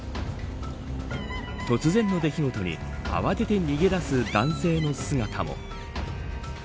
突然の出来事に慌てて逃げ出す男性の姿も。